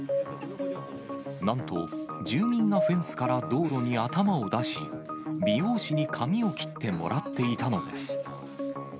なんと住民がフェンスから道路に頭を出し、美容師に髪を切ってもらっていたのです。